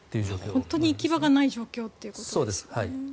本当に行き場がないということですね。